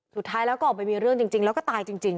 สุดท้ายแล้วก็ออกไปมีเรื่องจริงแล้วก็ตายจริง